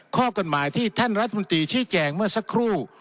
ข้อกฎหมายที่ท่านรัฐมนตรีชี้แจงเมื่อสักครู่